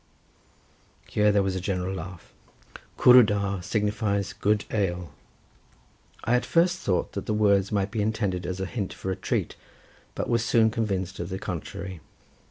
Here there was a general laugh. Cwrw da signifies good ale. I at first thought that the words might be intended as a hint for a treat, but was soon convinced of the contrary.